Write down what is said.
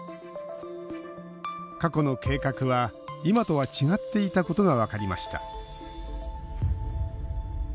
過去の計画は今とは違っていたことが分かりました。